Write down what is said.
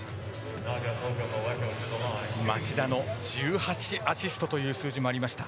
町田の１８アシストという数字もありました。